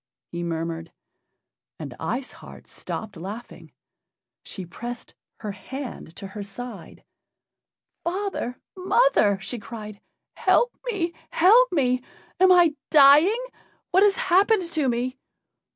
he murmured. And Ice Heart stopped laughing. She pressed her hand to her side. "Father! mother!" she cried, "help me! help me! Am I dying? What has happened to me?"